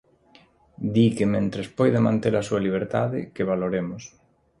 "Di que mentres poida manter a súa liberdade, que valoremos".